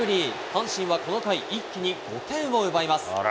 阪神はこの回、一気に５点を奪います。